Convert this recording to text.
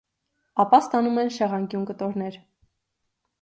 Ապա ստանում են շեղանկյուն կտորներ։